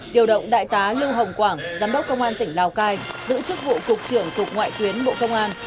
điều động đại tá lưu hồng quảng giám đốc công an tỉnh lào cai giữ chức vụ cục trưởng cục ngoại tuyến bộ công an